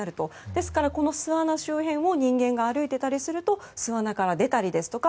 ですから、この巣穴周辺を人間が歩いていたりすると巣穴から出たりですとか